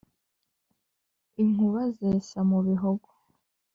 Inkuba zesa mu Bihogo,